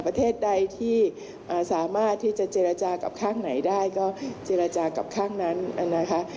ประเทศใดที่สามารถที่จะเจรจากับข้างไหนได้ก็เจรจากับข้างนั้นนะคะ